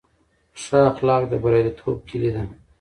ښه اخلاق د بریالیتوب کیلي ده.